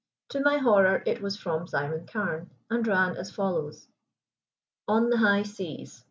To my horror, it was from Simon Carne, and ran as follows: "_On the High Seas.